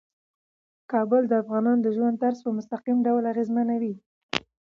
کابل د افغانانو د ژوند طرز په مستقیم ډول اغېزمنوي.